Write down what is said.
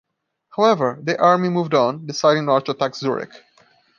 However, the army moved on, deciding not to attack Zurich.